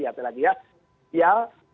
apalagi ya ya